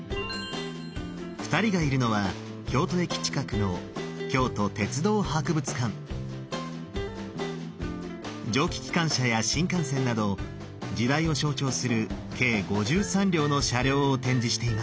２人がいるのは京都駅近くの蒸気機関車や新幹線など時代を象徴する計５３両の車両を展示しています。